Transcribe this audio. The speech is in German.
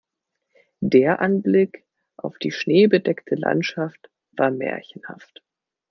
Der Anblick auf die schneebedeckte Landschaft war märchenhaft.